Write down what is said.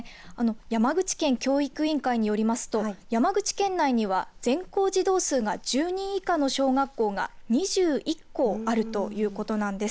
山口県教育委員会によりますと山口県内には全校児童数が１０人以下の小学校が２１校あるということなんです。